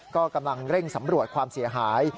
ก็กำลังเร่งสำรวจความเสียหาย